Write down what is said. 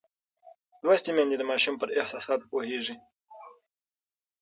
لوستې میندې د ماشوم پر احساساتو پوهېږي.